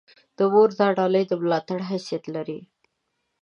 د مور دا ډالۍ د ملاتړ حیثیت لري.